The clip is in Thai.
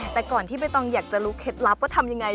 แต่ก่อนที่ใบตองอยากจะรู้เคล็ดลับว่าทำยังไง